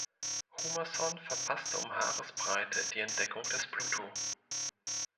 Humason verpasste um Haaresbreite die Entdeckung des Pluto.